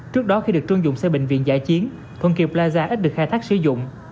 trước đó khi được trung dụng xe bệnh viện giải chiến thuận kiều plaza ít được khai thác sử dụng